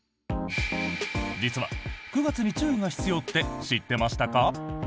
実は９月に注意が必要って知ってましたか？